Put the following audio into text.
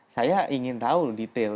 saya ingin tahu detail